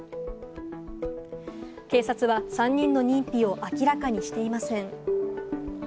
警察は３人の認否を明らかにしていません。